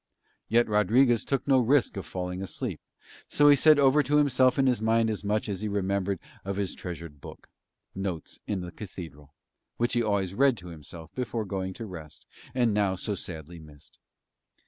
Yet Rodriguez took no risk of falling asleep, so he said over to himself in his mind as much as he remembered of his treasured book, Notes in a Cathedral, which he always read to himself before going to rest and now so sadly missed.